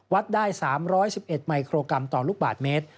วัดได้๓๑๑มิโครกรัมต่อลูกบาทเมตร